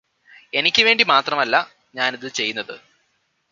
എനിക്ക് വേണ്ടി മാത്രമല്ല ഞാനിത് ചെയ്യുന്നത്